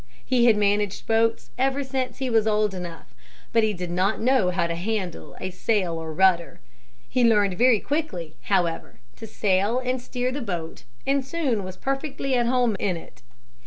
He had managed boats ever since he was old enough, but he did not know how to handle a sail or rudder. He learned very quickly, however, to sail and steer the boat and soon was perfectly at home in it.